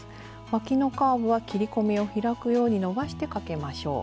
わきのカーブは切り込みを開くように伸ばしてかけましょう。